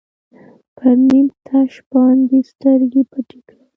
پر نیم تش باندې سترګې پټې کړئ.